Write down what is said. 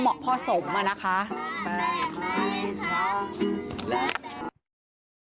มันควรจะกึ่งกลางไหมพอเหมาะพอสมอะนะคะ